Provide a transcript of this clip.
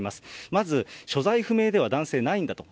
まず、所在不明では、男性ないんだと。